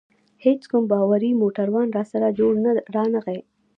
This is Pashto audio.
هیڅ کوم باوري موټروان راسره جوړ رانه غی.